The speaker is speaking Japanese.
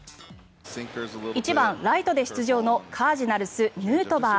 １番ライトで出場のカージナルス、ヌートバー。